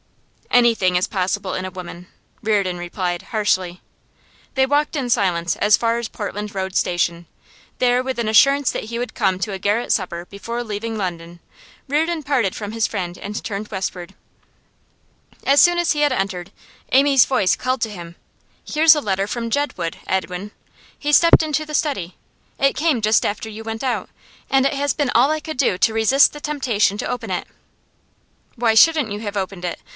'Anything is possible in a woman,' Reardon replied, harshly. They walked in silence as far as Portland Road Station. There, with an assurance that he would come to a garret supper before leaving London, Reardon parted from his friend and turned westward. As soon as he had entered, Amy's voice called to him: 'Here's a letter from Jedwood, Edwin!' He stepped into the study. 'It came just after you went out, and it has been all I could do to resist the temptation to open it.' 'Why shouldn't you have opened it?